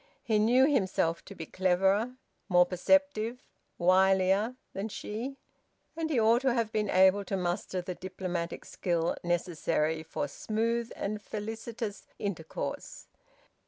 He knew himself to be cleverer, more perceptive, wilier, than she; and he ought to have been able to muster the diplomatic skill necessary for smooth and felicitous intercourse.